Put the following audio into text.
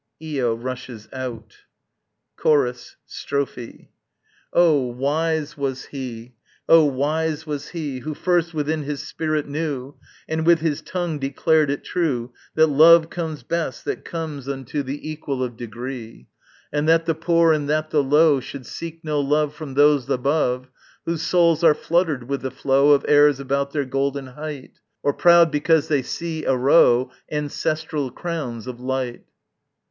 [IO rushes out. Chorus. Strophe. Oh, wise was he, oh, wise was he Who first within his spirit knew And with his tongue declared it true That love comes best that comes unto The equal of degree! And that the poor and that the low Should seek no love from those above, Whose souls are fluttered with the flow Of airs about their golden height, Or proud because they see arow Ancestral crowns of light.